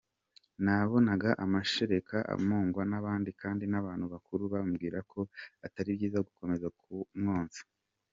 Nabonaga amashereka amugwa nabi kandi n’abantu bakuru bambwiraga ko atari byiza gukomeza kumwonsa”.